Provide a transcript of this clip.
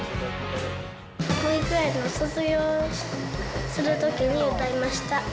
保育園を卒業するときに歌いました。